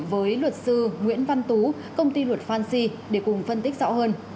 với luật sư nguyễn văn tú công ty luật fancy để cùng phân tích rõ hơn